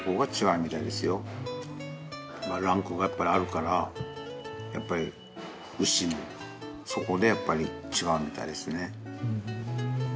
ランクがやっぱりあるからやっぱり牛もそこでやっぱり違うみたいですね。